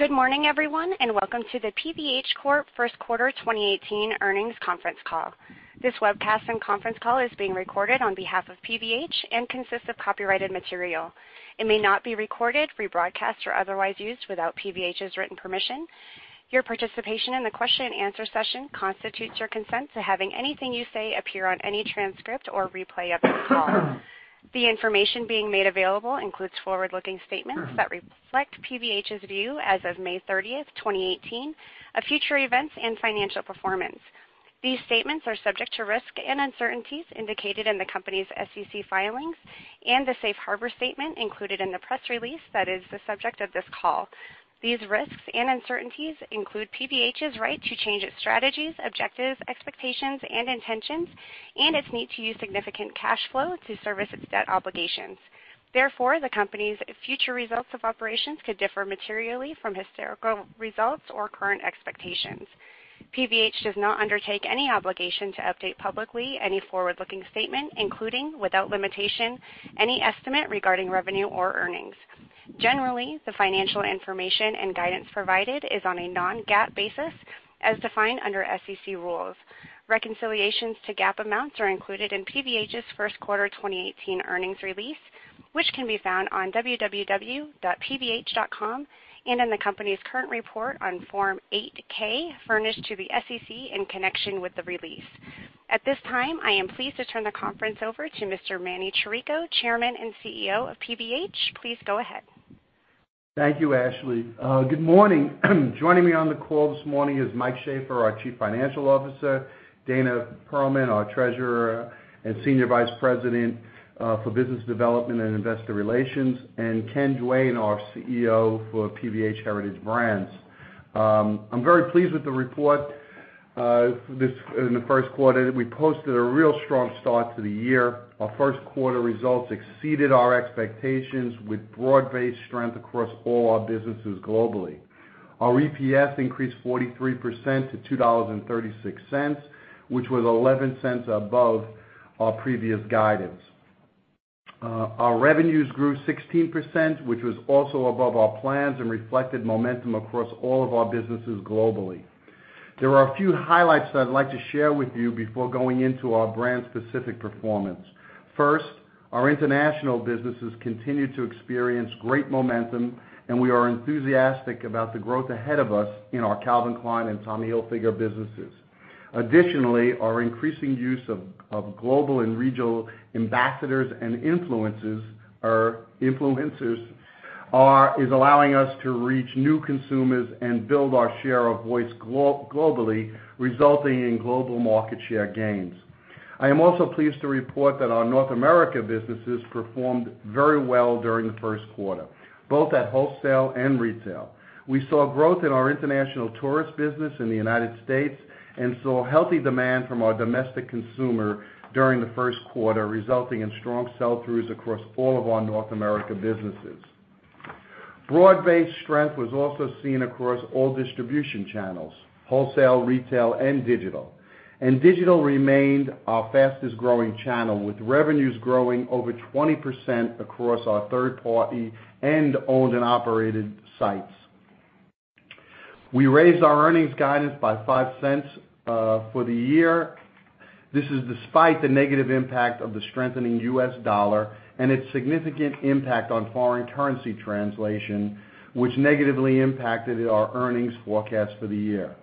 Good morning, everyone, and welcome to the PVH Corp First Quarter 2018 Earnings Conference Call. This webcast and conference call is being recorded on behalf of PVH and consists of copyrighted material. It may not be recorded, rebroadcast, or otherwise used without PVH's written permission. Your participation in the question and answer session constitutes your consent to having anything you say appear on any transcript or replay of this call. The information being made available includes forward-looking statements that reflect PVH's view as of May 30, 2018, of future events and financial performance. These statements are subject to risks and uncertainties indicated in the company's SEC filings and the safe harbor statement included in the press release that is the subject of this call. These risks and uncertainties include PVH's right to change its strategies, objectives, expectations, and intentions, and its need to use significant cash flow to service its debt obligations. Therefore, the company's future results of operations could differ materially from historical results or current expectations. PVH does not undertake any obligation to update publicly any forward-looking statement, including, without limitation, any estimate regarding revenue or earnings. Generally, the financial information and guidance provided is on a non-GAAP basis as defined under SEC rules. Reconciliations to GAAP amounts are included in PVH's first quarter 2018 earnings release, which can be found on www.pvh.com and in the company's current report on Form 8-K furnished to the SEC in connection with the release. At this time, I am pleased to turn the conference over to Mr. Emanuel Chirico, Chairman and CEO of PVH. Please go ahead. Thank you, Ashley. Good morning. Joining me on the call this morning is Mike Shaffer, our Chief Financial Officer, Dana Perlman, our Treasurer and Senior Vice President for Business Development and Investor Relations, and Ken Duane, our CEO for PVH Heritage Brands. I'm very pleased with the report in the first quarter. We posted a real strong start to the year. Our first quarter results exceeded our expectations with broad-based strength across all our businesses globally. Our EPS increased 43% to $2.36, which was $0.11 above our previous guidance. Our revenues grew 16%, which was also above our plans and reflected momentum across all of our businesses globally. There are a few highlights that I'd like to share with you before going into our brand specific performance. First, our international businesses continue to experience great momentum, and we are enthusiastic about the growth ahead of us in our Calvin Klein and Tommy Hilfiger businesses. Additionally, our increasing use of global and regional ambassadors and influencers is allowing us to reach new consumers and build our share of voice globally, resulting in global market share gains. I am also pleased to report that our North America businesses performed very well during the first quarter, both at wholesale and retail. We saw growth in our international tourist business in the United States and saw healthy demand from our domestic consumer during the first quarter, resulting in strong sell-throughs across all of our North America businesses. Broad-based strength was also seen across all distribution channels, wholesale, retail, and digital. And digital remained our fastest-growing channel, with revenues growing over 20% across our third-party and owned and operated sites. We raised our earnings guidance by $0.05 for the year. This is despite the negative impact of the strengthening U.S. dollar and its significant impact on foreign currency translation, which negatively impacted our earnings forecast for the year.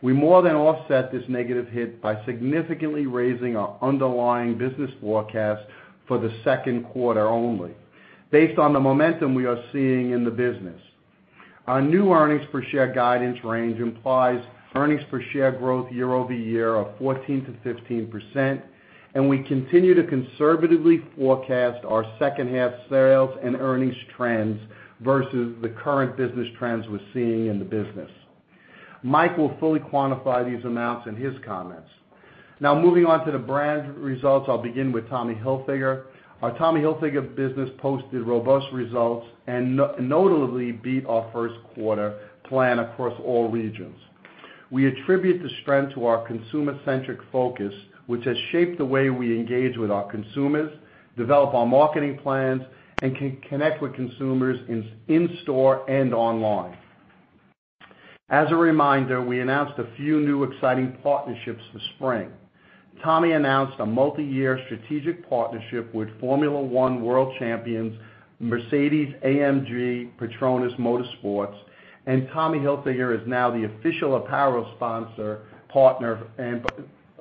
We more than offset this negative hit by significantly raising our underlying business forecast for the second quarter only based on the momentum we are seeing in the business. Our new earnings per share guidance range implies earnings per share growth year-over-year of 14%-15%, and we continue to conservatively forecast our second half sales and earnings trends versus the current business trends we're seeing in the business. Mike will fully quantify these amounts in his comments. Moving on to the brand results, I'll begin with Tommy Hilfiger. Our Tommy Hilfiger business posted robust results and notably beat our first quarter plan across all regions. We attribute the strength to our consumer-centric focus, which has shaped the way we engage with our consumers, develop our marketing plans, and connect with consumers in store and online. As a reminder, we announced a few new exciting partnerships this spring. Tommy announced a multi-year strategic partnership with Formula One World Champions Mercedes-AMG Petronas Motorsport, and Tommy Hilfiger is now the official apparel sponsor, partner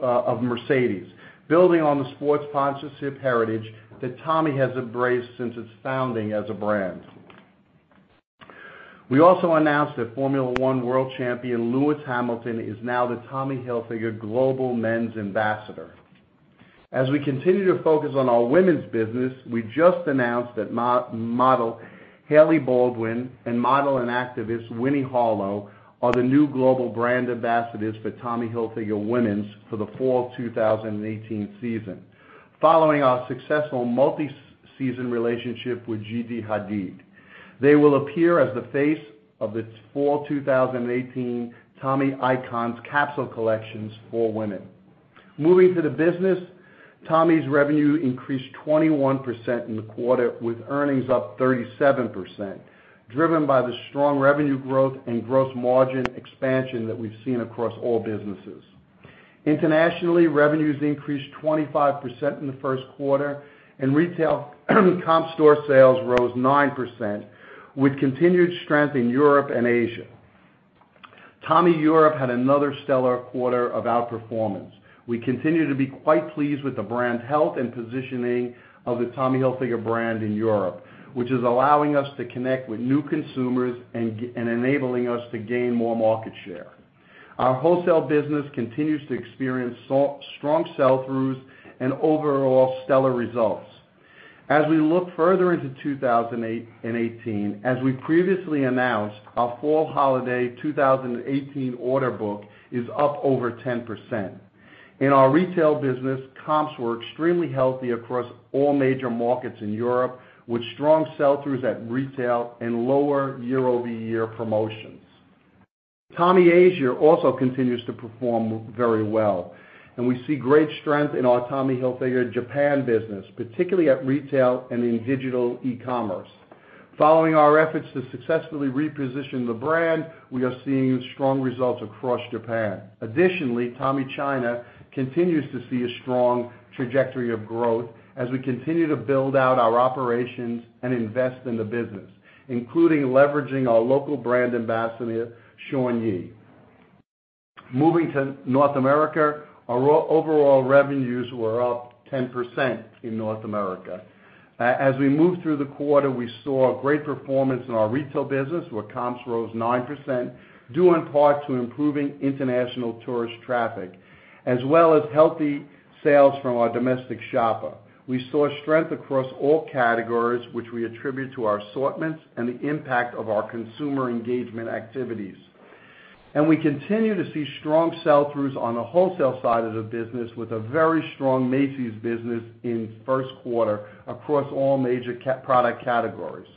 of Mercedes, building on the sports sponsorship heritage that Tommy has embraced since its founding as a brand. We also announced that Formula One World Champion Lewis Hamilton is now the Tommy Hilfiger global men's ambassador. As we continue to focus on our women's business, we just announced that model Hailey Baldwin and model and activist Winnie Harlow are the new global brand ambassadors for Tommy Hilfiger Women's for the fall 2018 season, following our successful multi-season relationship with Gigi Hadid. They will appear as the face of the fall 2018 Tommy Icons capsule collections for women. Moving to the business, Tommy's revenue increased 21% in the quarter, with earnings up 37%, driven by the strong revenue growth and gross margin expansion that we've seen across all businesses. Internationally, revenues increased 25% in the first quarter, and retail comp store sales rose 9%, with continued strength in Europe and Asia. Tommy Europe had another stellar quarter of outperformance. We continue to be quite pleased with the brand health and positioning of the Tommy Hilfiger brand in Europe, which is allowing us to connect with new consumers and enabling us to gain more market share. Our wholesale business continues to experience strong sell-throughs and overall stellar results. As we look further into 2018, as we previously announced, our fall holiday 2018 order book is up over 10%. In our retail business, comps were extremely healthy across all major markets in Europe, with strong sell-throughs at retail and lower year-over-year promotions. Tommy Asia also continues to perform very well, and we see great strength in our Tommy Hilfiger Japan business, particularly at retail and in digital e-commerce. Following our efforts to successfully reposition the brand, we are seeing strong results across Japan. Additionally, Tommy China continues to see a strong trajectory of growth as we continue to build out our operations and invest in the business, including leveraging our local brand ambassador, Shawn Yue. Moving to North America, our overall revenues were up 10% in North America. As we moved through the quarter, we saw great performance in our retail business, where comps rose 9%, due in part to improving international tourist traffic, as well as healthy sales from our domestic shopper. We saw strength across all categories, which we attribute to our assortments and the impact of our consumer engagement activities. We continue to see strong sell-throughs on the wholesale side of the business, with a very strong Macy's business in first quarter across all major product categories.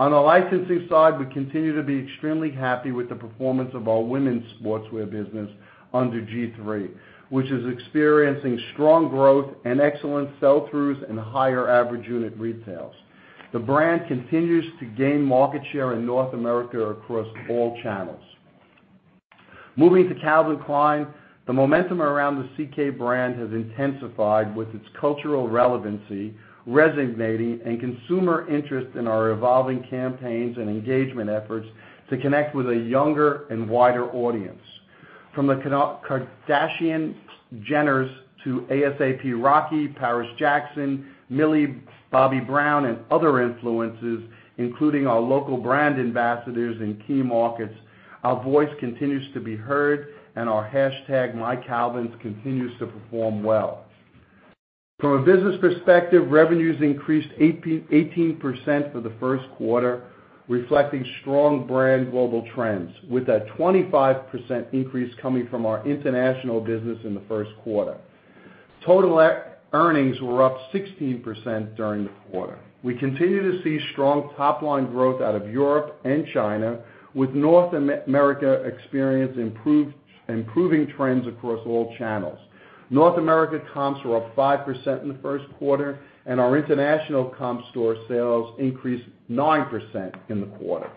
On the licensing side, we continue to be extremely happy with the performance of our women's sportswear business under G-III, which is experiencing strong growth and excellent sell-throughs and higher average unit retails. The brand continues to gain market share in North America across all channels. Moving to Calvin Klein, the momentum around the CK brand has intensified with its cultural relevancy, resonating in consumer interest in our evolving campaigns and engagement efforts to connect with a younger and wider audience. From the Kardashians/Jenners to A$AP Rocky, Paris Jackson, Millie Bobby Brown, and other influences, including our local brand ambassadors in key markets, our voice continues to be heard, and our hashtag MyCalvins continues to perform well. From a business perspective, revenues increased 18% for the first quarter, reflecting strong brand global trends, with a 25% increase coming from our international business in the first quarter. Total earnings were up 16% during the quarter. We continue to see strong top-line growth out of Europe and China, with North America experiencing improving trends across all channels. North America comps were up 5% in the first quarter, and our international comp store sales increased 9% in the quarter.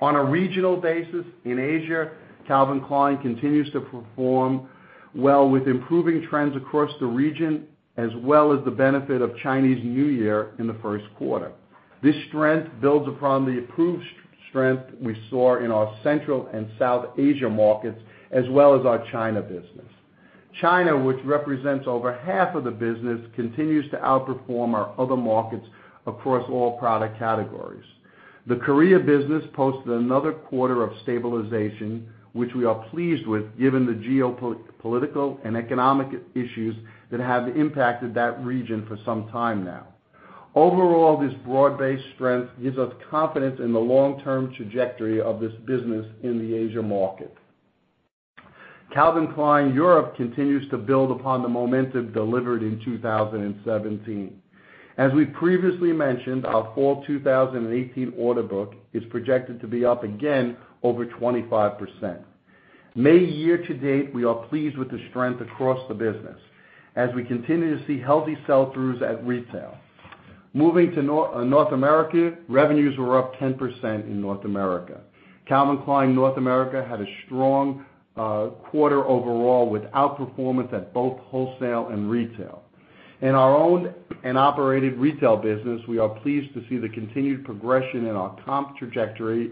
On a regional basis, in Asia, Calvin Klein continues to perform well with improving trends across the region, as well as the benefit of Chinese New Year in the first quarter. This strength builds upon the improved strength we saw in our Central and South Asia markets, as well as our China business. China, which represents over half of the business, continues to outperform our other markets across all product categories. The Korea business posted another quarter of stabilization, which we are pleased with given the geopolitical and economic issues that have impacted that region for some time now. Overall, this broad-based strength gives us confidence in the long-term trajectory of this business in the Asia market. Calvin Klein Europe continues to build upon the momentum delivered in 2017. As we previously mentioned, our fall 2018 order book is projected to be up again over 25%. May year to date, we are pleased with the strength across the business as we continue to see healthy sell-throughs at retail. Moving to North America, revenues were up 10% in North America. Calvin Klein North America had a strong quarter overall with outperformance at both wholesale and retail. In our own and operated retail business, we are pleased to see the continued progression in our comp trajectory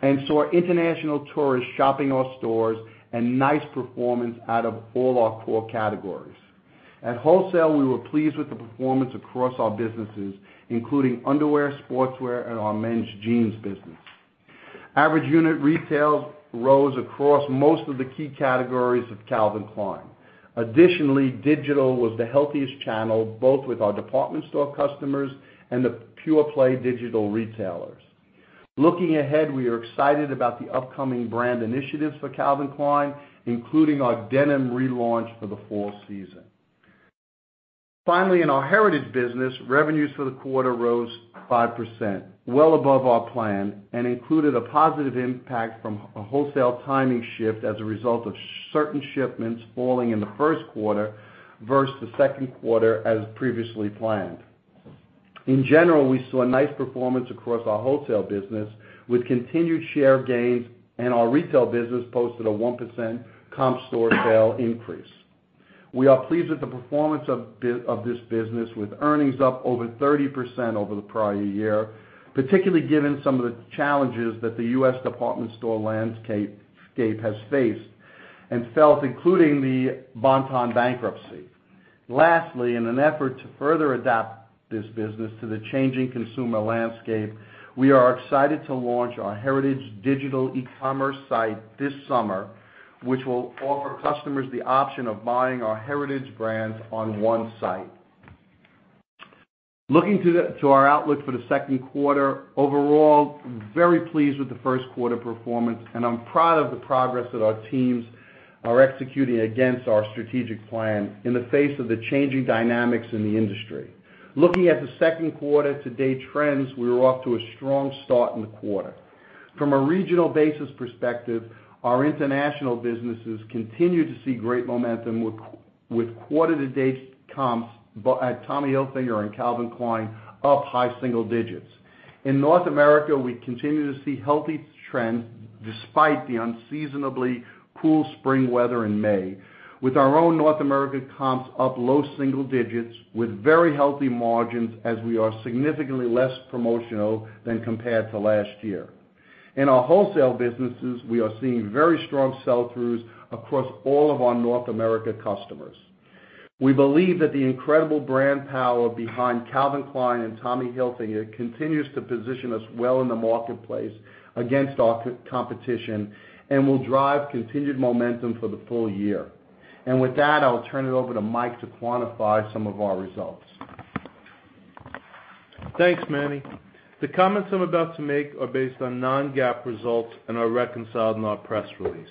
and saw international tourists shopping our stores and nice performance out of all our core categories. At wholesale, we were pleased with the performance across our businesses, including underwear, sportswear, and our men's jeans business. Average unit retails rose across most of the key categories of Calvin Klein. Additionally, digital was the healthiest channel, both with our department store customers and the pure-play digital retailers. Looking ahead, we are excited about the upcoming brand initiatives for Calvin Klein, including our denim relaunch for the fall season. Finally, in our Heritage Brands business, revenues for the quarter rose 5%, well above our plan, and included a positive impact from a wholesale timing shift as a result of certain shipments falling in the first quarter versus the second quarter as previously planned. In general, we saw a nice performance across our wholesale business with continued share gains, and our retail business posted a 1% comp store sale increase. We are pleased with the performance of this business, with earnings up over 30% over the prior year, particularly given some of the challenges that the U.S. department store landscape has faced and felt, including the Bon-Ton bankruptcy. Lastly, in an effort to further adapt this business to the changing consumer landscape, we are excited to launch our Heritage Brands digital e-commerce site this summer, which will offer customers the option of buying our Heritage Brands on one site. Looking to our outlook for the second quarter. Overall, very pleased with the first quarter performance, I'm proud of the progress that our teams are executing against our strategic plan in the face of the changing dynamics in the industry. Looking at the second quarter to date trends, we were off to a strong start in the quarter. From a regional basis perspective, our international businesses continue to see great momentum with quarter-to-date comps at Tommy Hilfiger and Calvin Klein up high single digits. In North America, we continue to see healthy trends despite the unseasonably cool spring weather in May, with our own North America comps up low single digits with very healthy margins as we are significantly less promotional than compared to last year. In our wholesale businesses, we are seeing very strong sell-throughs across all of our North America customers. We believe that the incredible brand power behind Calvin Klein and Tommy Hilfiger continues to position us well in the marketplace against our competition and will drive continued momentum for the full year. With that, I will turn it over to Mike to quantify some of our results. Thanks, Manny. The comments I'm about to make are based on non-GAAP results and are reconciled in our press release.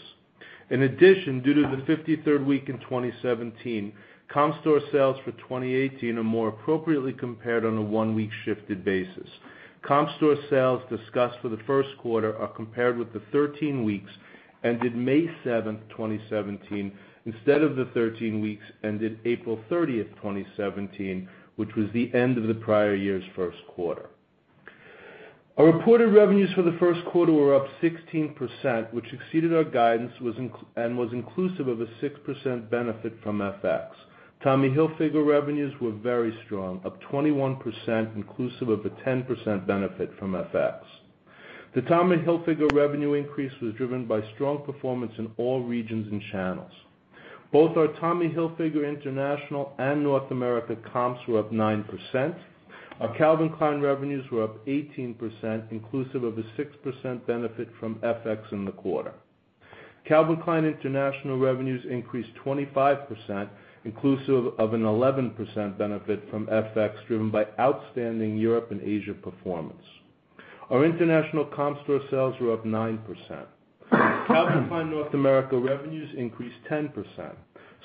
In addition, due to the 53rd week in 2017, comp store sales for 2018 are more appropriately compared on a one-week shifted basis. Comp store sales discussed for the first quarter are compared with the 13 weeks ended May 7th, 2017, instead of the 13 weeks ended April 30th, 2017, which was the end of the prior year's first quarter. Our reported revenues for the first quarter were up 16%, which exceeded our guidance and was inclusive of a 6% benefit from FX. Tommy Hilfiger revenues were very strong, up 21% inclusive of a 10% benefit from FX. The Tommy Hilfiger revenue increase was driven by strong performance in all regions and channels. Both our Tommy Hilfiger International and North America comps were up 9%. Our Calvin Klein revenues were up 18%, inclusive of a 6% benefit from FX in the quarter. Calvin Klein International revenues increased 25%, inclusive of an 11% benefit from FX, driven by outstanding Europe and Asia performance. Our international comp store sales were up 9%. Calvin Klein North America revenues increased 10%.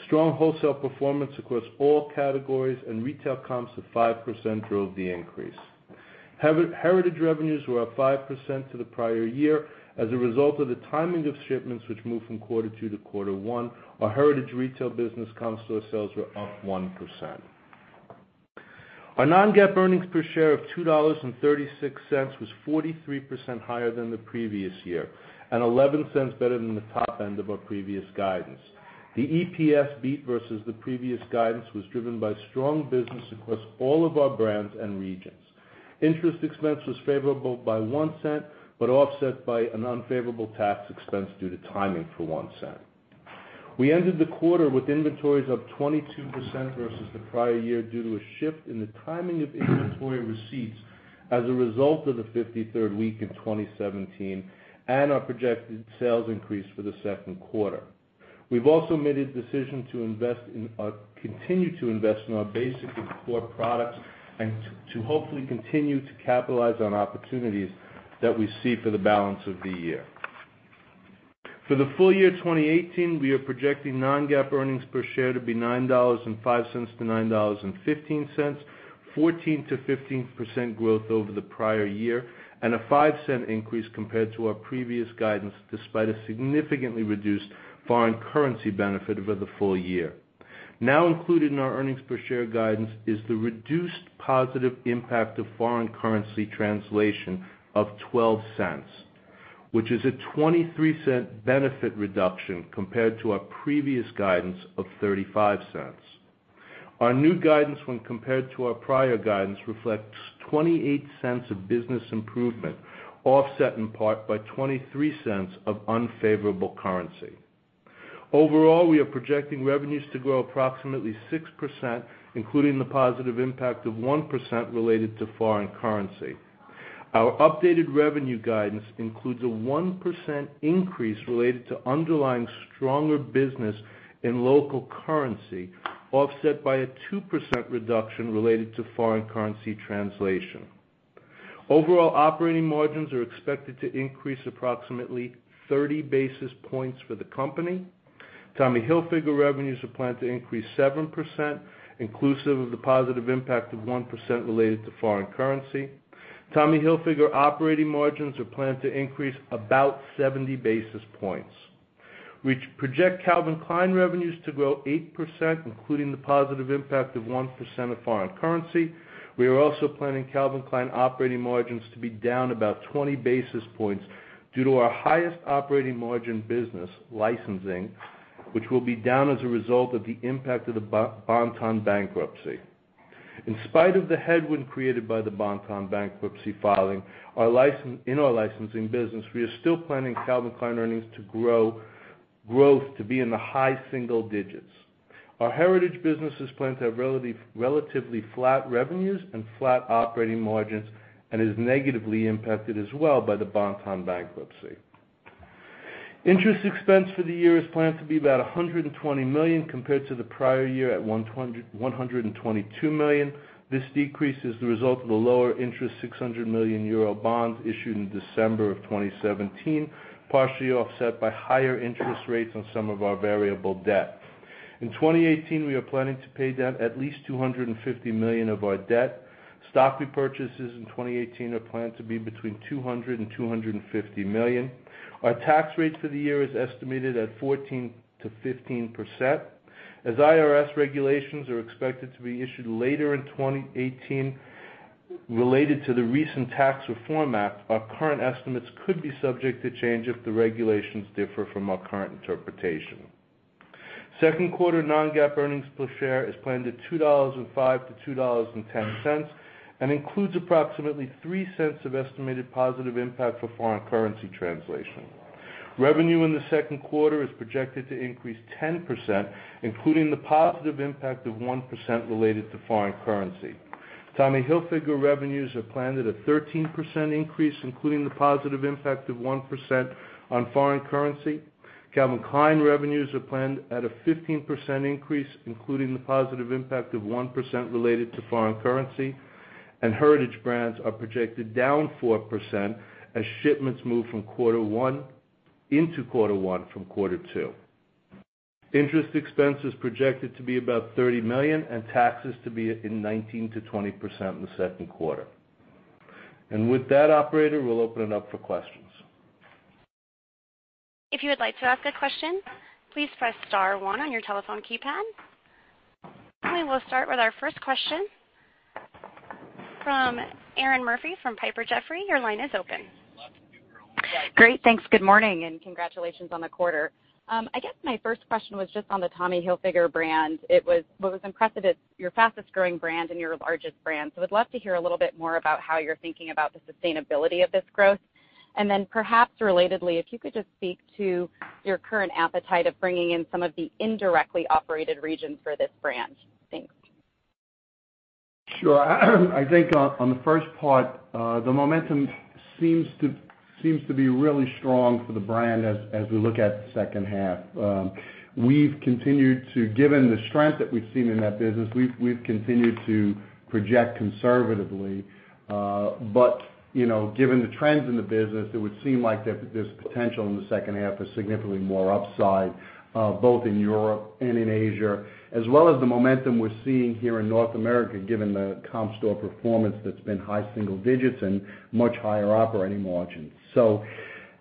Strong wholesale performance across all categories and retail comps of 5% drove the increase. Heritage Brands revenues were up 5% to the prior year as a result of the timing of shipments, which moved from quarter two to quarter one. Our Heritage Brands retail business comp store sales were up 1%. Our non-GAAP earnings per share of $2.36 was 43% higher than the previous year and $0.11 better than the top end of our previous guidance. The EPS beat versus the previous guidance was driven by strong business across all of our brands and regions. Interest expense was favorable by $0.01, offset by an unfavorable tax expense due to timing for $0.01. We ended the quarter with inventories up 22% versus the prior year due to a shift in the timing of inventory receipts as a result of the 53rd week in 2017 and our projected sales increase for the second quarter. We've also made a decision to continue to invest in our basic and core products and to hopefully continue to capitalize on opportunities that we see for the balance of the year. For the full year 2018, we are projecting non-GAAP earnings per share to be $9.05-$9.15, 14%-15% growth over the prior year, and a $0.05 increase compared to our previous guidance, despite a significantly reduced foreign currency benefit over the full year. Included in our earnings per share guidance is the reduced positive impact of foreign currency translation of $0.12, which is a $0.23 benefit reduction compared to our previous guidance of $0.35. Our new guidance when compared to our prior guidance reflects $0.28 of business improvement, offset in part by $0.23 of unfavorable currency. Overall, we are projecting revenues to grow approximately 6%, including the positive impact of 1% related to foreign currency. Our updated revenue guidance includes a 1% increase related to underlying stronger business in local currency, offset by a 2% reduction related to foreign currency translation. Overall operating margins are expected to increase approximately 30 basis points for the company. Tommy Hilfiger revenues are planned to increase 7%, inclusive of the positive impact of 1% related to foreign currency. Tommy Hilfiger operating margins are planned to increase about 70 basis points. We project Calvin Klein revenues to grow 8%, including the positive impact of 1% of foreign currency. We are also planning Calvin Klein operating margins to be down about 20 basis points due to our highest operating margin business licensing, which will be down as a result of the impact of the Bon-Ton bankruptcy. In spite of the headwind created by the Bon-Ton bankruptcy filing, in our licensing business, we are still planning Calvin Klein earnings growth to be in the high single digits. Our Heritage Brands business is planned to have relatively flat revenues and flat operating margins, and is negatively impacted as well by the Bon-Ton bankruptcy. Interest expense for the year is planned to be about $120 million compared to the prior year at $122 million. This decrease is the result of the lower interest 600 million euro bonds issued in December 2017, partially offset by higher interest rates on some of our variable debt. In 2018, we are planning to pay down at least $250 million of our debt. Stock repurchases in 2018 are planned to be between $200 million-$250 million. Our tax rate for the year is estimated at 14%-15%. As IRS regulations are expected to be issued later in 2018 related to the recent tax reform act, our current estimates could be subject to change if the regulations differ from our current interpretation. Second quarter non-GAAP earnings per share is planned at $2.05-$2.10 and includes approximately $0.03 of estimated positive impact for foreign currency translation. Revenue in the second quarter is projected to increase 10%, including the positive impact of 1% related to foreign currency. Tommy Hilfiger revenues are planned at a 13% increase, including the positive impact of 1% on foreign currency. Calvin Klein revenues are planned at a 15% increase, including the positive impact of 1% related to foreign currency. Heritage Brands are projected down 4% as shipments move into quarter one from quarter two. Interest expense is projected to be about $30 million and taxes to be in 19%-20% in the second quarter. With that operator, we'll open it up for questions. If you would like to ask a question, please press *1 on your telephone keypad. We will start with our first question from Erinn Murphy from Piper Jaffray. Your line is open. Great. Thanks. Good morning, congratulations on the quarter. I guess my first question was just on the Tommy Hilfiger brand. What was impressive, it's your fastest-growing brand and your largest brand. So would love to hear a little bit more about how you're thinking about the sustainability of this growth. Then perhaps relatedly, if you could just speak to your current appetite of bringing in some of the indirectly operated regions for this brand. Thanks. Sure. I think on the first part, the momentum seems to be really strong for the brand as we look at the second half. Given the strength that we've seen in that business, we've continued to project conservatively. Given the trends in the business, it would seem like there's potential in the second half for significantly more upside, both in Europe and in Asia, as well as the momentum we're seeing here in North America, given the comp store performance that's been high single digits and much higher operating margins.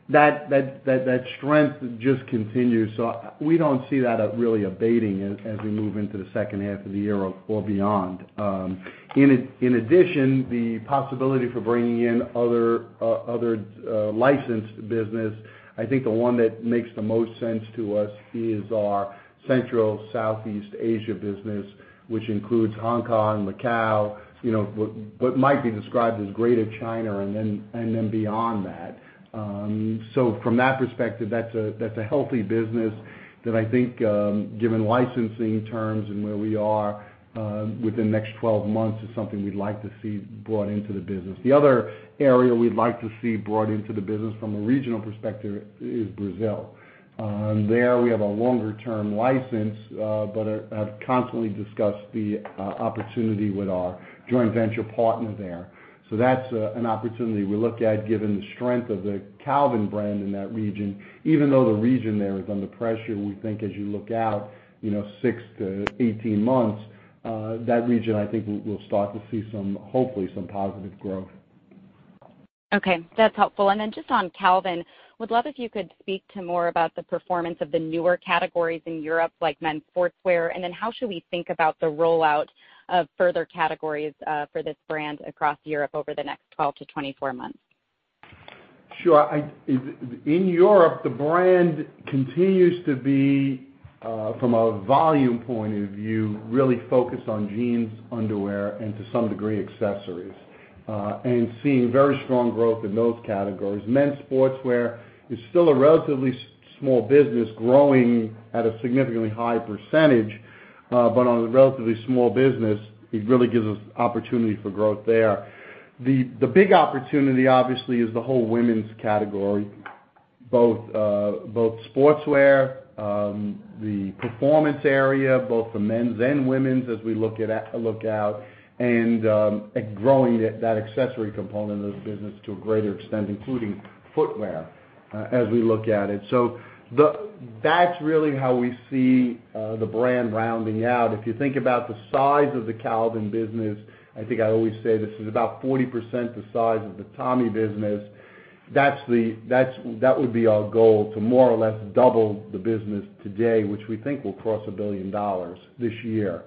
That strength just continues. We don't see that really abating as we move into the second half of the year or beyond. In addition, the possibility for bringing in other licensed business, I think the one that makes the most sense to us is our Central Southeast Asia business, which includes Hong Kong, Macau, what might be described as Greater China, and then beyond that. From that perspective, that's a healthy business that I think given licensing terms and where we are within the next 12 months, is something we'd like to see brought into the business. The other area we'd like to see brought into the business from a regional perspective is Brazil. There we have a longer-term license, but I've constantly discussed the opportunity with our joint venture partner there. That's an opportunity we look at given the strength of the Calvin brand in that region. Even though the region there is under pressure, we think as you look out six to 18 months, that region I think will start to see hopefully some positive growth. That's helpful. Just on Calvin, would love if you could speak to more about the performance of the newer categories in Europe, like men's sportswear, and how should we think about the rollout of further categories for this brand across Europe over the next 12 to 24 months? Sure. In Europe, the brand continues to be, from a volume point of view, really focused on jeans, underwear, and to some degree, accessories, and seeing very strong growth in those categories. Men's sportswear is still a relatively small business growing at a significantly high percentage, but on a relatively small business, it really gives us opportunity for growth there. The big opportunity, obviously, is the whole women's category Both sportswear, the performance area, both for men's and women's, as we look out, and growing that accessory component of the business to a greater extent, including footwear, as we look at it. That's really how we see the brand rounding out. If you think about the size of the Calvin business, I think I always say this, is about 40% the size of the Tommy business. That would be our goal to more or less double the business today, which we think will cross $1 billion this year,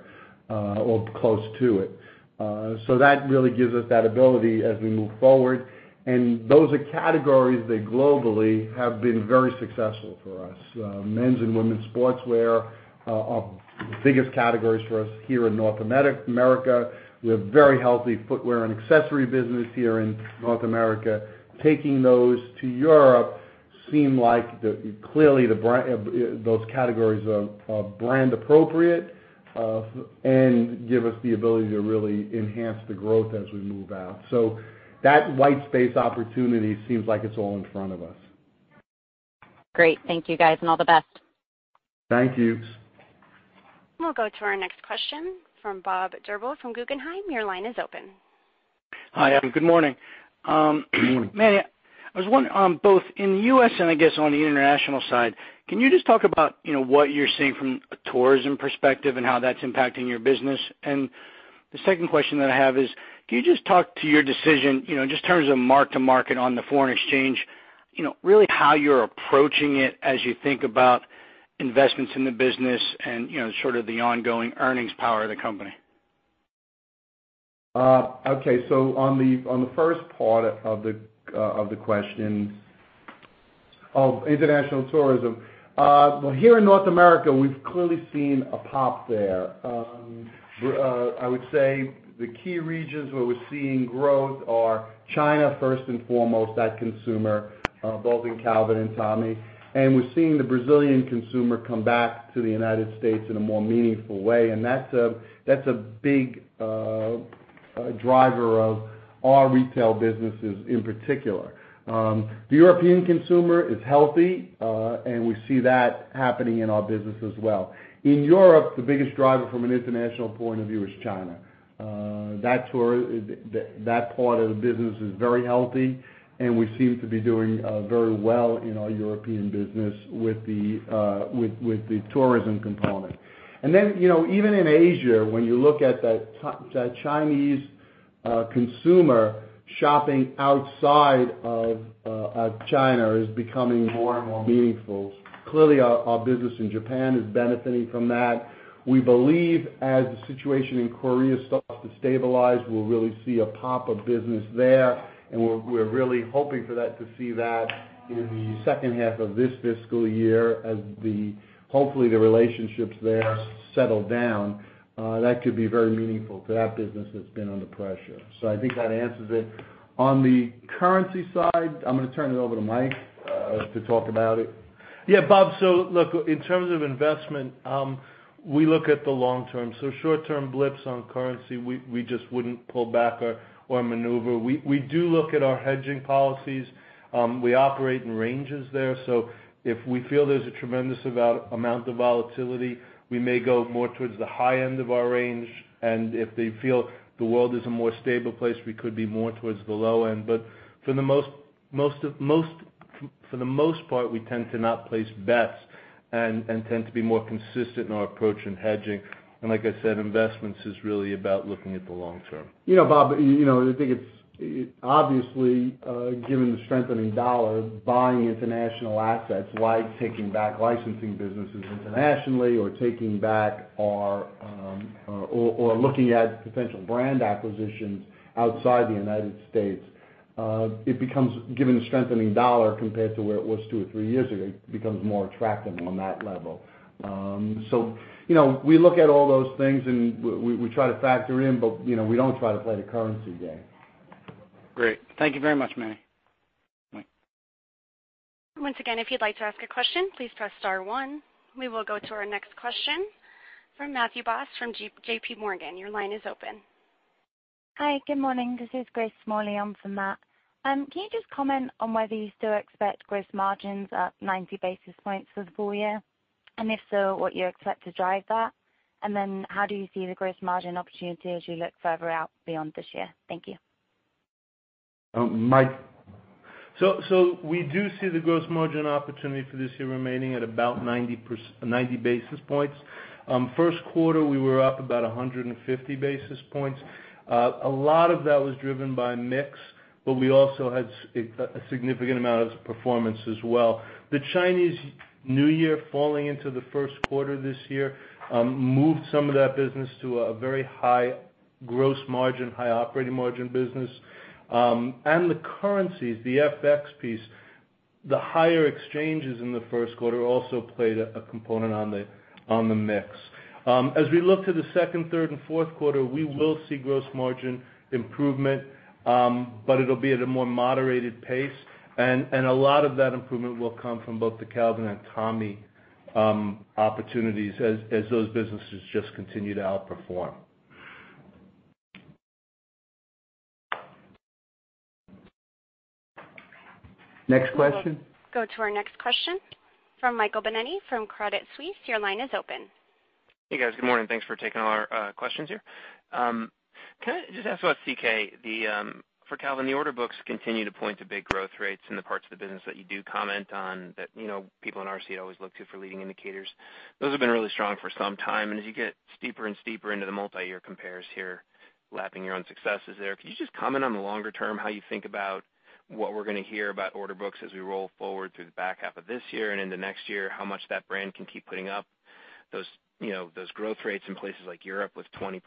or close to it. That really gives us that ability as we move forward. Those are categories that globally have been very successful for us. Men's and women's sportswear are the biggest categories for us here in North America. We have a very healthy footwear and accessory business here in North America. Taking those to Europe seem like clearly those categories are brand appropriate, and give us the ability to really enhance the growth as we move out. That white space opportunity seems like it's all in front of us. Great. Thank you guys, and all the best. Thank you. We'll go to our next question from Bob Drbul from Guggenheim. Your line is open. Hi, good morning. Manny, I was wondering, both in the U.S. and I guess on the international side, can you just talk about what you're seeing from a tourism perspective and how that's impacting your business? The second question that I have is, can you just talk to your decision, just in terms of mark-to-market on the foreign exchange, really how you're approaching it as you think about investments in the business and sort of the ongoing earnings power of the company? On the first part of the question of international tourism. Here in North America, we've clearly seen a pop there. I would say the key regions where we're seeing growth are China, first and foremost, that consumer, both in Calvin and Tommy. We're seeing the Brazilian consumer come back to the United States in a more meaningful way, and that's a big driver of our retail businesses in particular. The European consumer is healthy, and we see that happening in our business as well. In Europe, the biggest driver from an international point of view is China. That part of the business is very healthy, and we seem to be doing very well in our European business with the tourism component. Even in Asia, when you look at that Chinese consumer shopping outside of China is becoming more and more meaningful. Clearly, our business in Japan is benefiting from that. We believe as the situation in Korea starts to stabilize, we'll really see a pop of business there, and we're really hoping for that to see that in the second half of this fiscal year as hopefully the relationships there settle down. That could be very meaningful to that business that's been under pressure. I think that answers it. On the currency side, I'm going to turn it over to Mike to talk about it. Yeah, Bob. Look, in terms of investment, we look at the long term. Short-term blips on currency, we just wouldn't pull back or maneuver. We do look at our hedging policies. We operate in ranges there. If we feel there's a tremendous amount of volatility, we may go more towards the high end of our range. If we feel the world is a more stable place, we could be more towards the low end. For the most part, we tend to not place bets and tend to be more consistent in our approach in hedging. Like I said, investments is really about looking at the long term. Bob, I think it's obviously, given the strengthening dollar, buying international assets, like taking back licensing businesses internationally or taking back or looking at potential brand acquisitions outside the U.S. It becomes, given the strengthening dollar compared to where it was two or three years ago, it becomes more attractive on that level. We look at all those things, and we try to factor in, but we don't try to play the currency game. Great. Thank you very much, Manny. Mike. Once again, if you'd like to ask a question, please press *1. We will go to our next question from Matthew Boss from JPMorgan. Your line is open. Hi. Good morning. This is Grace Morley on for Matt. Can you just comment on whether you still expect gross margins up 90 basis points for the full year? If so, what you expect to drive that? Then how do you see the gross margin opportunity as you look further out beyond this year? Thank you. Mike. We do see the gross margin opportunity for this year remaining at about 90 basis points. First quarter, we were up about 150 basis points. A lot of that was driven by mix, but we also had a significant amount of performance as well. The Chinese New Year falling into the first quarter this year moved some of that business to a very high gross margin, high operating margin business. The currencies, the FX piece, the higher exchanges in the first quarter also played a component on the mix. As we look to the second, third, and fourth quarter, we will see gross margin improvement, but it'll be at a more moderated pace, and a lot of that improvement will come from both the Calvin and Tommy opportunities as those businesses just continue to outperform. Next question. We will go to our next question from Michael Binetti from Credit Suisse. Your line is open. Hey, guys. Good morning. Thanks for taking all our questions here. Can I just ask about CK? For Calvin, the order books continue to point to big growth rates in the parts of the business that you do comment on that people in RC always look to for leading indicators. Those have been really strong for some time, and as you get steeper and steeper into the multi-year compares here, lapping your own successes there. Could you just comment on the longer term, how you think about what we're going to hear about order books as we roll forward through the back half of this year and into next year, how much that brand can keep putting up those growth rates in places like Europe with 20%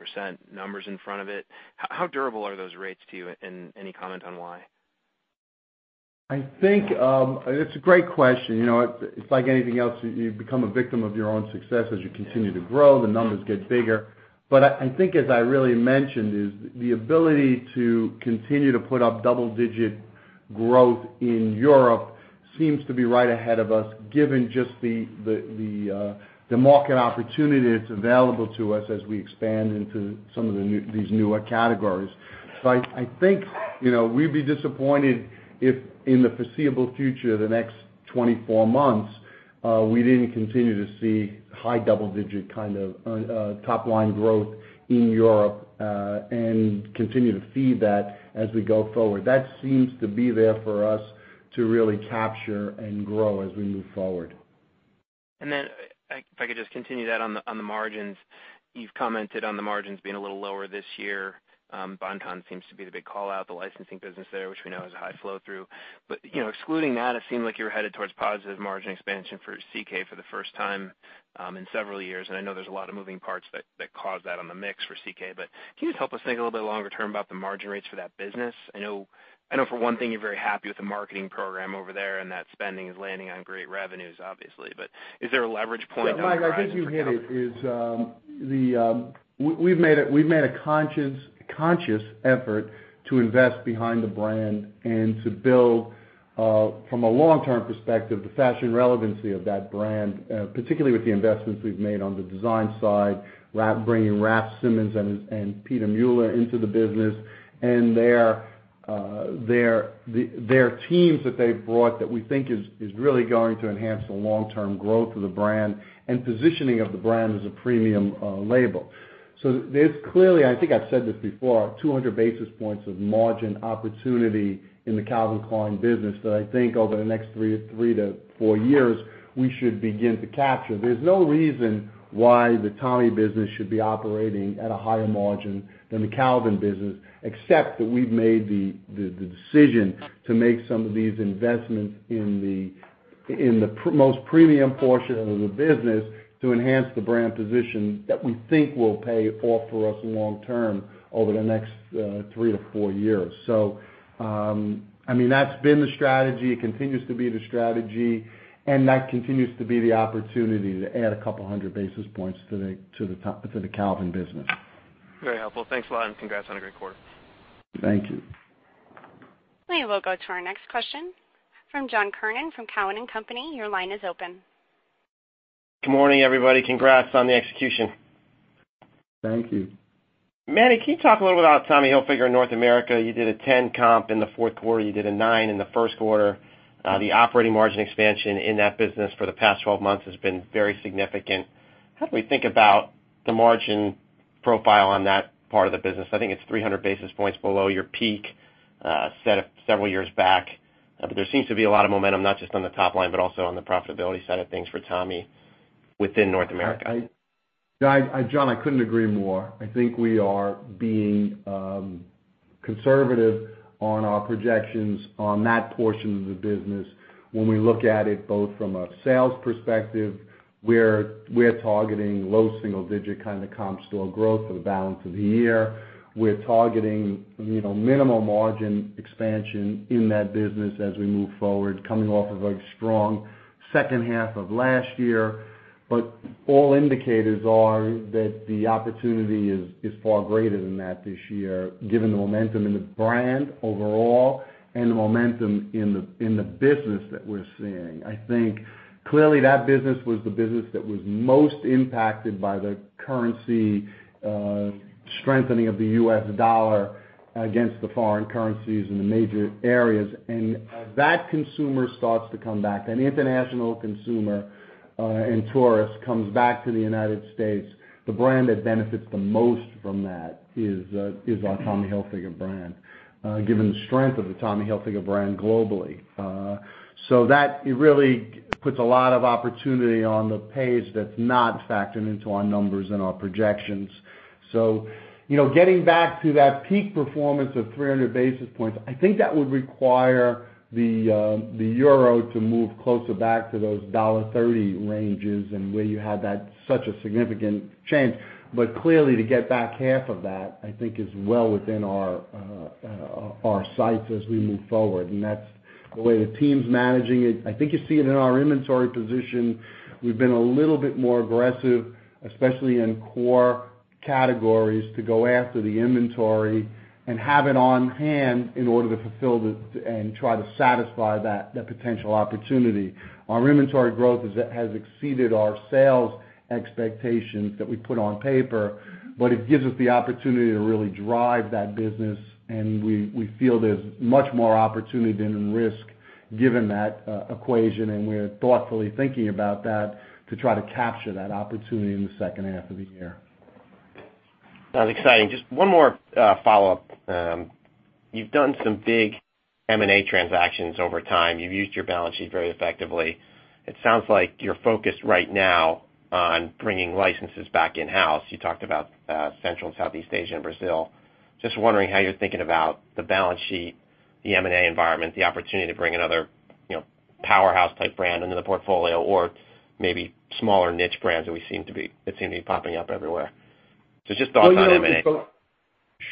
numbers in front of it? How durable are those rates to you, and any comment on why? I think it's a great question. It's like anything else. You become a victim of your own success as you continue to grow, the numbers get bigger. I think as I really mentioned, the ability to continue to put up double-digit growth in Europe seems to be right ahead of us, given just the market opportunity that's available to us as we expand into some of these newer categories. I think we'd be disappointed if in the foreseeable future, the next 24 months, we didn't continue to see high double-digit kind of top-line growth in Europe, and continue to feed that as we go forward. That seems to be there for us to really capture and grow as we move forward. If I could just continue that on the margins. You've commented on the margins being a little lower this year. Bon-Ton seems to be the big call-out, the licensing business there, which we know has a high flow-through. Excluding that, it seemed like you were headed towards positive margin expansion for CK for the first time in several years. I know there's a lot of moving parts that caused that on the mix for CK. Can you just help us think a little bit longer term about the margin rates for that business? I know for one thing, you're very happy with the marketing program over there, and that spending is landing on great revenues, obviously. Is there a leverage point on the horizon for Calvin? Mike, I think you hit it. We've made a conscious effort to invest behind the brand and to build, from a long-term perspective, the fashion relevancy of that brand, particularly with the investments we've made on the design side, bringing Raf Simons and Pieter Mulier into the business and their teams that they've brought that we think is really going to enhance the long-term growth of the brand and positioning of the brand as a premium label. There's clearly, I think I've said this before, 200 basis points of margin opportunity in the Calvin Klein business that I think over the next three to four years, we should begin to capture. There's no reason why the Tommy business should be operating at a higher margin than the Calvin business, except that we've made the decision to make some of these investments in the most premium portion of the business to enhance the brand position that we think will pay off for us long term over the next three to four years. That's been the strategy. It continues to be the strategy, and that continues to be the opportunity to add a couple hundred basis points to the Calvin business. Very helpful. Thanks a lot. Congrats on a great quarter. Thank you. We will go to our next question from John Kernan from Cowen and Company. Your line is open. Good morning, everybody. Congrats on the execution. Thank you. Manny, can you talk a little bit about Tommy Hilfiger in North America? You did a 10 comp in the fourth quarter. You did a nine in the first quarter. The operating margin expansion in that business for the past 12 months has been very significant. How do we think about the margin profile on that part of the business? I think it's 300 basis points below your peak, set several years back. There seems to be a lot of momentum, not just on the top line, but also on the profitability side of things for Tommy within North America. John, I couldn't agree more. I think we are being conservative on our projections on that portion of the business when we look at it both from a sales perspective, we're targeting low single-digit kind of comp store growth for the balance of the year. We're targeting minimum margin expansion in that business as we move forward, coming off of a strong second half of last year. All indicators are that the opportunity is far greater than that this year, given the momentum in the brand overall and the momentum in the business that we're seeing. I think clearly that business was the business that was most impacted by the currency strengthening of the U.S. dollar against the foreign currencies in the major areas. As that consumer starts to come back, an international consumer and tourist comes back to the United States, the brand that benefits the most from that is our Tommy Hilfiger brand, given the strength of the Tommy Hilfiger brand globally. That really puts a lot of opportunity on the page that's not factored into our numbers and our projections. Getting back to that peak performance of 300 basis points, I think that would require the euro to move closer back to those $1.30 ranges and where you had that, such a significant change. Clearly to get back half of that, I think is well within our sights as we move forward, and that's the way the team's managing it. I think you see it in our inventory position. We've been a little bit more aggressive, especially in core categories to go after the inventory and have it on hand in order to fulfill and try to satisfy that potential opportunity. Our inventory growth has exceeded our sales expectations that we put on paper, it gives us the opportunity to really drive that business, we feel there's much more opportunity than risk given that equation, we're thoughtfully thinking about that to try to capture that opportunity in the second half of the year. That's exciting. Just one more follow-up. You've done some big M&A transactions over time. You've used your balance sheet very effectively. It sounds like you're focused right now on bringing licenses back in-house. You talked about Central and Southeast Asia and Brazil. Just wondering how you're thinking about the balance sheet, the M&A environment, the opportunity to bring another powerhouse type brand into the portfolio or maybe smaller niche brands that seem to be popping up everywhere. Just thoughts on M&A.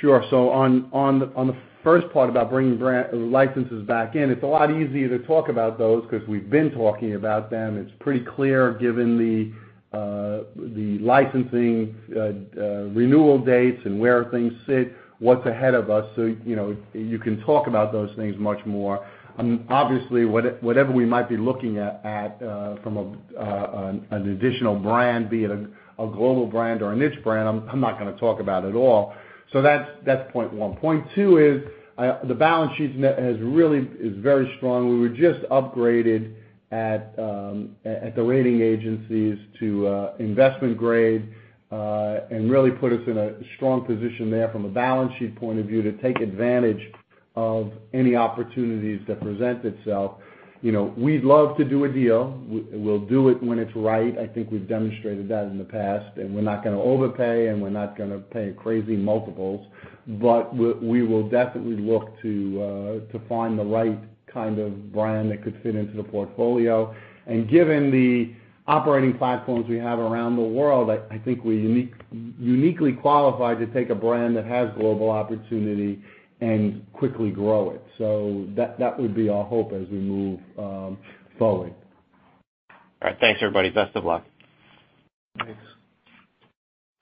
Sure. On the first part about bringing licenses back in, it's a lot easier to talk about those because we've been talking about them. It's pretty clear given the licensing renewal dates and where things sit, what's ahead of us. You can talk about those things much more. Obviously, whatever we might be looking at from an additional brand, be it a global brand or a niche brand, I'm not going to talk about at all. That's point one. Point two is the balance sheet is very strong. We were just upgraded at the rating agencies to investment grade, and really put us in a strong position there from a balance sheet point of view to take advantage of any opportunities that present itself. We'd love to do a deal. We'll do it when it's right. I think we've demonstrated that in the past, and we're not going to overpay, and we're not going to pay crazy multiples, but we will definitely look to find the right kind of brand that could fit into the portfolio. Given the operating platforms we have around the world, I think we're uniquely qualified to take a brand that has global opportunity and quickly grow it. That would be our hope as we move forward. All right. Thanks, everybody. Best of luck. Thanks.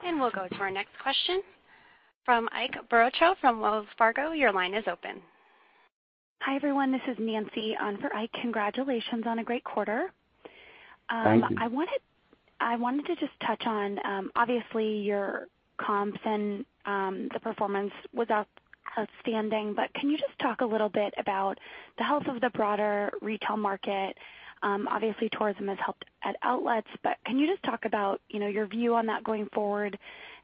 We'll go to our next question from Ike Boruchow from Wells Fargo. Your line is open. Hi, everyone, this is Nancy on for Ike. Congratulations on a great quarter. Thank you. I wanted to just touch on, obviously, your comps and the performance was outstanding, but can you just talk a little bit about the health of the broader retail market? Obviously, tourism has helped at outlets, but can you just talk about your view on that going forward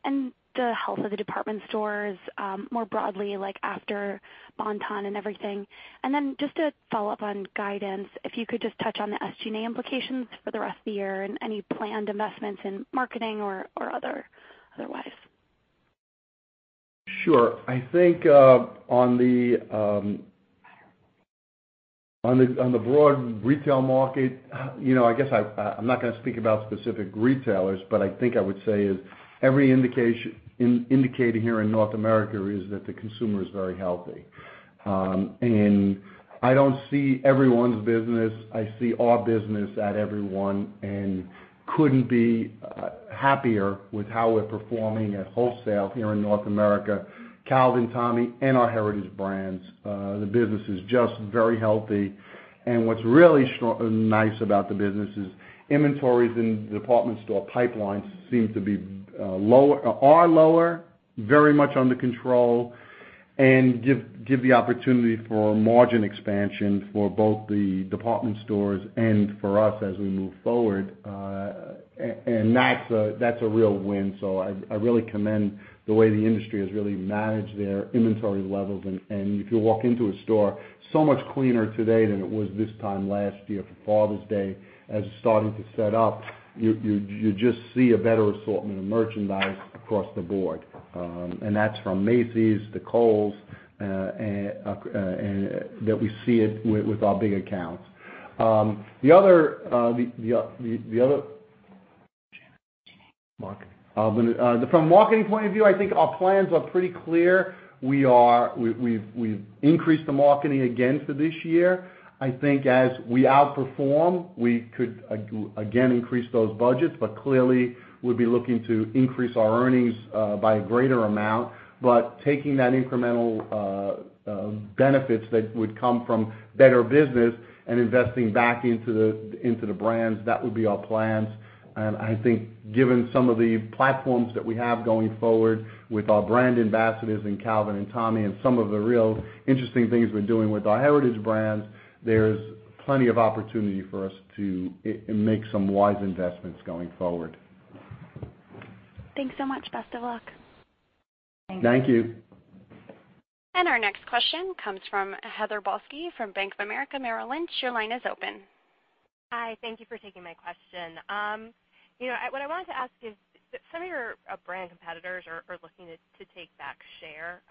and the health of the department stores more broadly, like after Bon-Ton and everything? Just to follow up on guidance, if you could just touch on the SG&A implications for the rest of the year and any planned investments in marketing or otherwise. Sure. I think on the broad retail market, I guess I'm not going to speak about specific retailers, but I think I would say is every indicator here in North America is that the consumer is very healthy. I don't see everyone's business, I see our business at everyone and couldn't be happier with how we're performing at wholesale here in North America, Calvin, Tommy, and our Heritage Brands. The business is just very healthy, and what's really nice about the business is inventories in department store pipelines are lower, very much under control, and give the opportunity for margin expansion for both the department stores and for us as we move forward. That's a real win. I really commend the way the industry has really managed their inventory levels. If you walk into a store, so much cleaner today than it was this time last year for Father's Day. As it's starting to set up, you just see a better assortment of merchandise across the board. That's from Macy's to Kohl's, that we see it with our big accounts. From a marketing point of view, I think our plans are pretty clear. We've increased the marketing again for this year. I think as we outperform, we could again increase those budgets, but clearly, we'd be looking to increase our earnings by a greater amount. Taking that incremental benefits that would come from better business and investing back into the brands, that would be our plans. I think given some of the platforms that we have going forward with our brand ambassadors in Calvin and Tommy and some of the real interesting things we're doing with our Heritage Brands, there's plenty of opportunity for us to make some wise investments going forward. Thanks so much. Best of luck. Thank you. Our next question comes from Heather Balsky from Bank of America Merrill Lynch. Your line is open. Hi. Thank you for taking my question. What I wanted to ask is, some of your brand competitors are looking to take back share.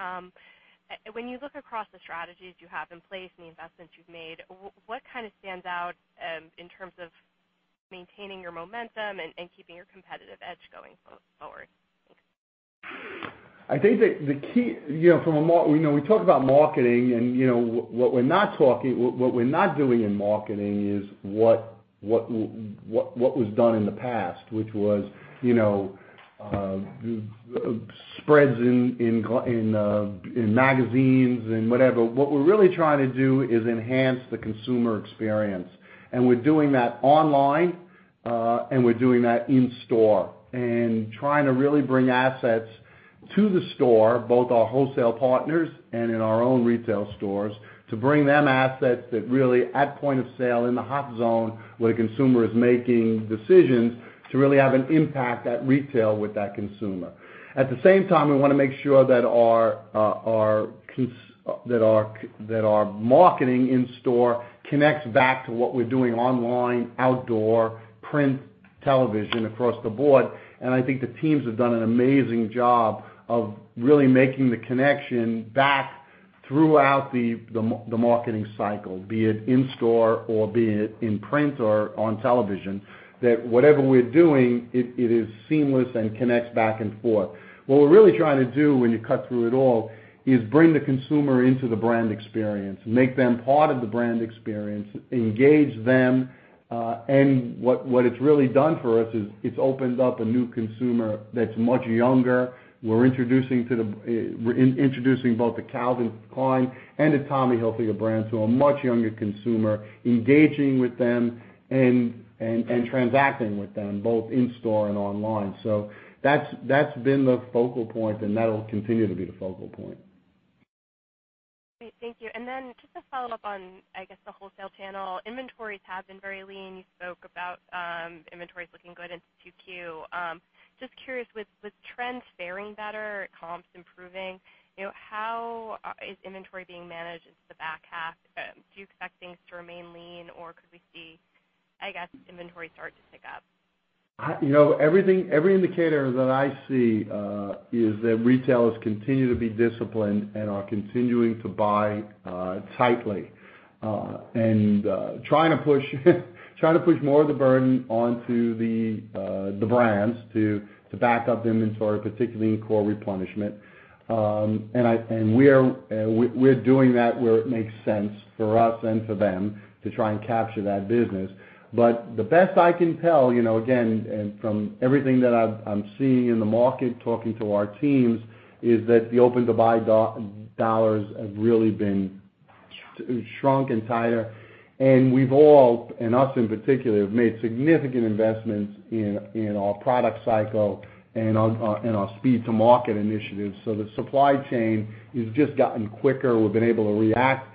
When you look across the strategies you have in place and the investments you've made, what stands out in terms of maintaining your momentum and keeping your competitive edge going forward? Thanks. I think that the key, we talk about marketing and what we're not doing in marketing is what was done in the past, which was spreads in magazines and whatever. What we're really trying to do is enhance the consumer experience. We're doing that online, and we're doing that in-store, and trying to really bring assets to the store, both our wholesale partners and in our own retail stores, to bring them assets that really, at point of sale, in the hot zone, where the consumer is making decisions, to really have an impact at retail with that consumer. At the same time, we want to make sure that our marketing in-store connects back to what we're doing online, outdoor, print, television, across the board. I think the teams have done an amazing job of really making the connection back throughout the marketing cycle. Be it in-store or be it in print or on television, that whatever we're doing, it is seamless and connects back and forth. What we're really trying to do when you cut through it all, is bring the consumer into the brand experience, make them part of the brand experience, engage them. What it's really done for us is it's opened up a new consumer that's much younger. We're introducing both the Calvin Klein and the Tommy Hilfiger brands to a much younger consumer, engaging with them and transacting with them, both in-store and online. That's been the focal point, and that'll continue to be the focal point. Great. Thank you. Then just to follow up on, I guess, the wholesale channel. Inventories have been very lean. You spoke about inventories looking good into 2Q. Just curious, with trends faring better, comps improving, how is inventory being managed into the back half? Do you expect things to remain lean, or could we see, I guess, inventory start to pick up? Every indicator that I see is that retailers continue to be disciplined and are continuing to buy tightly. Trying to push more of the burden onto the brands to back up inventory, particularly in core replenishment. The best I can tell, again, and from everything that I'm seeing in the market, talking to our teams, is that the open-to-buy dollars have really been shrunk and tighter. We've all, and us in particular, have made significant investments in our product cycle and our speed to market initiatives. The supply chain has just gotten quicker. We've been able to react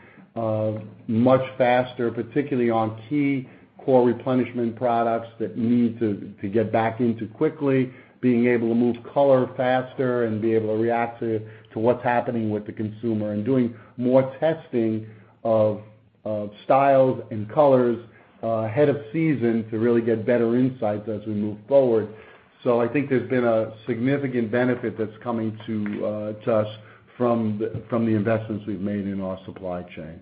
much faster, particularly on key core replenishment products that need to get back into quickly, being able to move color faster and be able to react to what's happening with the consumer. Doing more testing of styles and colors ahead of season to really get better insights as we move forward. I think there's been a significant benefit that's coming to us from the investments we've made in our supply chain.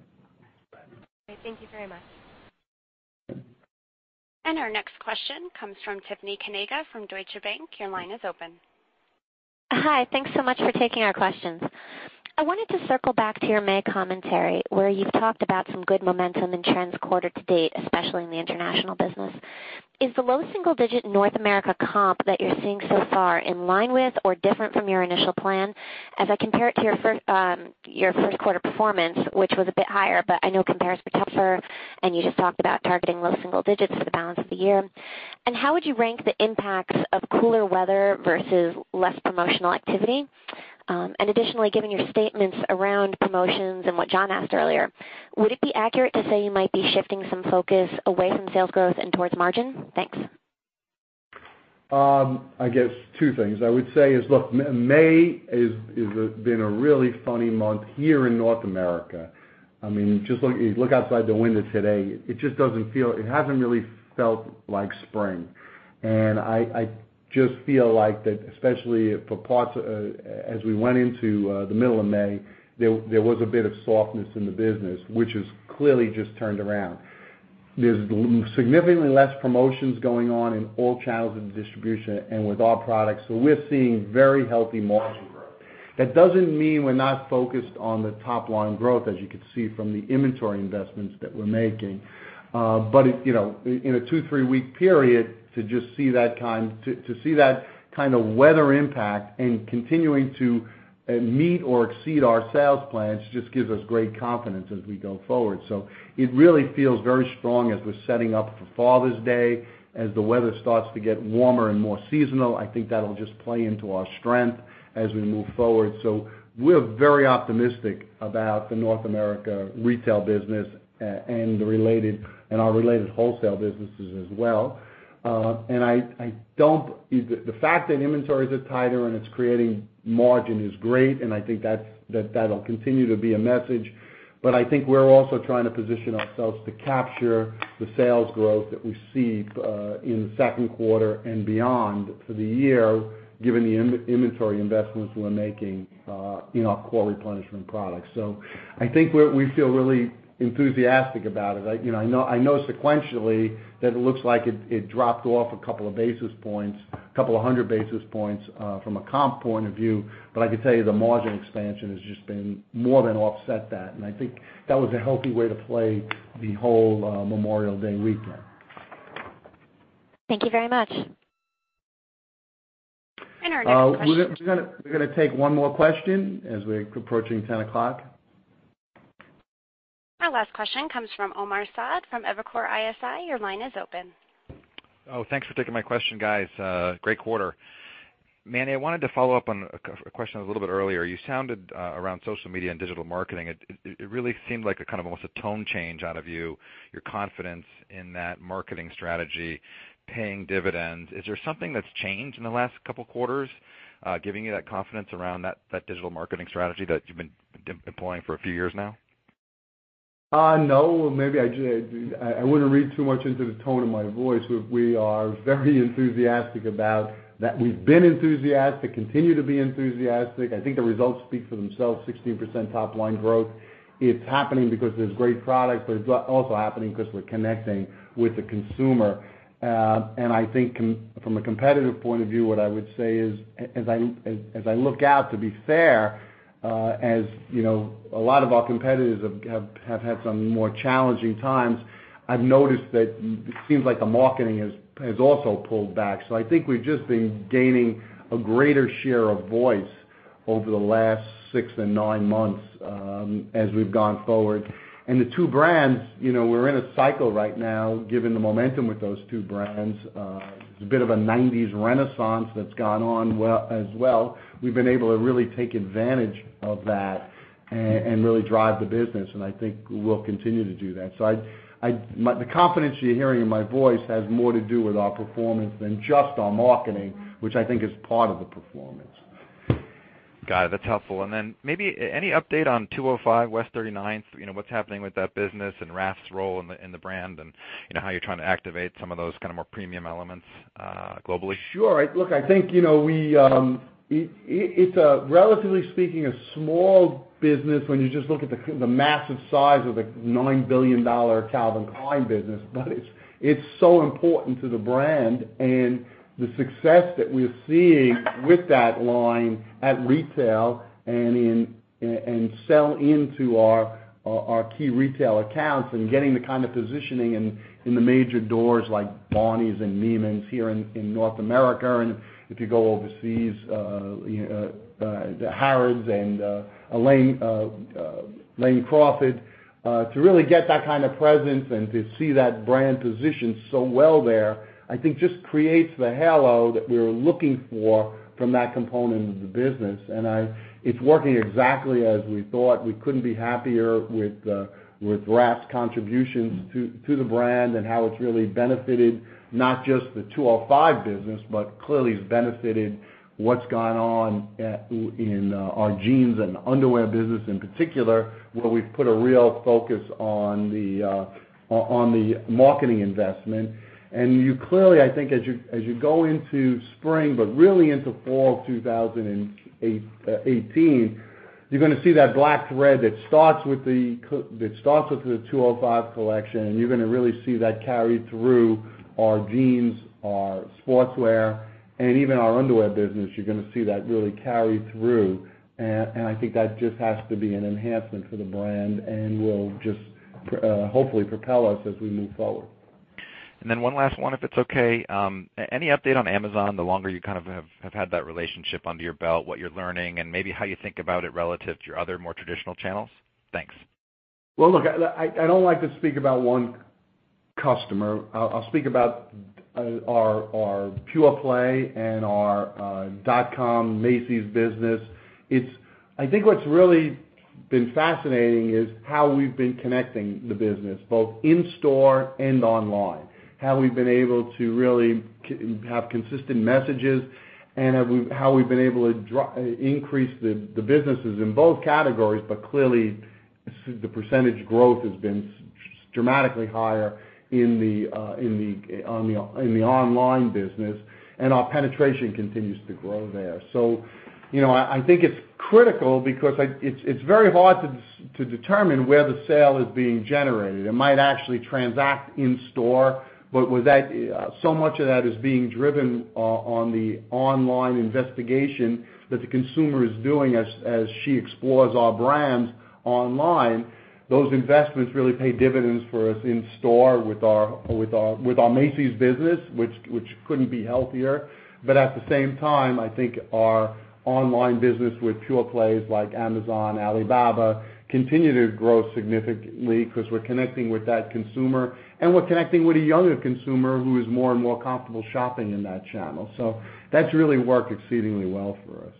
Great. Thank you very much. Our next question comes from Tiffany Kanaga from Deutsche Bank. Your line is open. Hi. Thanks so much for taking our questions. I wanted to circle back to your May commentary, where you've talked about some good momentum in trends quarter to date, especially in the international business. Is the low single-digit North America comp that you're seeing so far in line with or different from your initial plan? As I compare it to your first quarter performance, which was a bit higher, but I know comparisons were tougher, you just talked about targeting low single-digits for the balance of the year. How would you rank the impacts of cooler weather versus less promotional activity? Additionally, given your statements around promotions and what John asked earlier, would it be accurate to say you might be shifting some focus away from sales growth and towards margin? Thanks. I guess two things. I would say is, look, May has been a really funny month here in North America. You look outside the window today, it hasn't really felt like spring. I just feel like that, especially as we went into the middle of May, there was a bit of softness in the business, which has clearly just turned around. There's significantly less promotions going on in all channels of distribution and with our products, so we're seeing very healthy margin growth. That doesn't mean we're not focused on the top-line growth, as you can see from the inventory investments that we're making. In a two, three-week period, to see that kind of weather impact and continuing to meet or exceed our sales plans just gives us great confidence as we go forward. It really feels very strong as we're setting up for Father's Day. As the weather starts to get warmer and more seasonal, I think that'll just play into our strength as we move forward. We're very optimistic about the North America retail business and our related wholesale businesses as well. The fact that inventories are tighter and it's creating margin is great, and I think that'll continue to be a message. I think we're also trying to position ourselves to capture the sales growth that we see in the second quarter and beyond for the year, given the inventory investments we're making in our core replenishment products. I think we feel really enthusiastic about it. I know sequentially that it looks like it dropped off a couple of hundred basis points from a comp point of view, I could tell you the margin expansion has just more than offset that, I think that was a healthy way to play the whole Memorial Day weekend. Thank you very much. Our next question. We're gonna take one more question as we're approaching 10:00. Our last question comes from Omar Saad from Evercore ISI. Your line is open. Oh, thanks for taking my question, guys. Great quarter. Manny, I wanted to follow up on a question a little bit earlier. You sounded, around social media and digital marketing, it really seemed like a kind of almost a tone change out of you, your confidence in that marketing strategy paying dividends. Is there something that's changed in the last couple quarters, giving you that confidence around that digital marketing strategy that you've been employing for a few years now? No. I wouldn't read too much into the tone of my voice. We are very enthusiastic about that we've been enthusiastic, continue to be enthusiastic. I think the results speak for themselves, 16% top-line growth. It's happening because there's great product, but it's also happening because we're connecting with the consumer. I think from a competitive point of view, what I would say is, as I look out, to be fair, as a lot of our competitors have had some more challenging times, I've noticed that it seems like the marketing has also pulled back. I think we've just been gaining a greater share of voice over the last six and nine months, as we've gone forward. The two brands, we're in a cycle right now, given the momentum with those two brands. There's a bit of a '90s renaissance that's gone on as well. We've been able to really take advantage of that and really drive the business. I think we'll continue to do that. The confidence you're hearing in my voice has more to do with our performance than just our marketing, which I think is part of the performance. Got it. That's helpful. Maybe any update on 205W39NYC, what's happening with that business and Raf's role in the brand, and how you're trying to activate some of those more premium elements globally? Sure. Look, I think, it's a, relatively speaking, a small business when you just look at the massive size of the $9 billion Calvin Klein business. It's so important to the brand and the success that we're seeing with that line at retail and sell into our key retail accounts and getting the kind of positioning in the major doors like Barneys and Neiman's here in North America. If you go overseas, the Harrods and Lane Crawford, to really get that kind of presence and to see that brand positioned so well there, I think just creates the halo that we're looking for from that component of the business. It's working exactly as we thought. We couldn't be happier with Raf's contributions to the brand and how it's really benefited not just the 205 business, but clearly has benefited what's gone on in our jeans and underwear business, in particular, where we've put a real focus on the marketing investment. You clearly, I think, as you go into spring, but really into fall 2018, you're gonna see that black thread that starts with the 205 collection, and you're gonna really see that carry through our jeans, our sportswear, and even our underwear business. You're gonna see that really carry through. I think that just has to be an enhancement for the brand and will just, hopefully propel us as we move forward. One last one, if it's okay. Any update on Amazon, the longer you have had that relationship under your belt, what you're learning and maybe how you think about it relative to your other more traditional channels? Thanks. Look, I don't like to speak about one customer. I'll speak about our pure play and our dot-com Macy's business. I think what's really been fascinating is how we've been connecting the business both in store and online, how we've been able to really have consistent messages, and how we've been able to increase the businesses in both categories. Clearly, the percentage growth has been dramatically higher in the online business, and our penetration continues to grow there. I think it's critical because it's very hard to determine where the sale is being generated. It might actually transact in store, but so much of that is being driven on the online investigation that the consumer is doing as she explores our brands online. Those investments really pay dividends for us in store with our Macy's business, which couldn't be healthier. At the same time, I think our online business with pure plays like Amazon, Alibaba, continue to grow significantly because we're connecting with that consumer, and we're connecting with a younger consumer who is more and more comfortable shopping in that channel. That's really worked exceedingly well for us.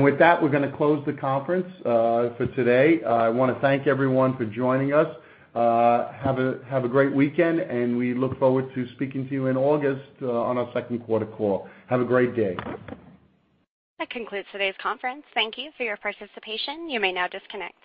With that, we're gonna close the conference for today. I want to thank everyone for joining us. Have a great weekend, and we look forward to speaking to you in August on our second quarter call. Have a great day. That concludes today's conference. Thank you for your participation. You may now disconnect.